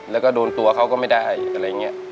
แล้วก็โดนตัวเขาก็ไม่ได้อะไรอย่างนี้